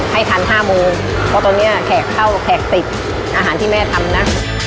ให้ทันห้าโมงเพราะตอนนี้แขกเข้าแขกติดอาหารที่แม่ทำนะ